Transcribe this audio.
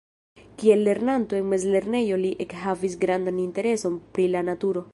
Kiel lernanto en mezlernejo li ekhavis grandan intereson pri la naturo.